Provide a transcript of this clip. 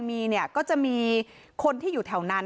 ทนายเกิดผลครับ